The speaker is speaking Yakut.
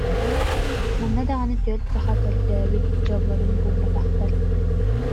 Манна даҕаны түөрт саха көрдөөбүт дьоллорун булбатахтар